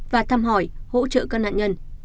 và thăm hỏi hỗ trợ các nạn nhân